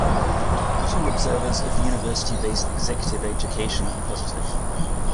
Not all observers of university-based executive education are positive.